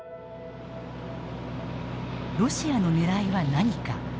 ロシアのねらいは何か。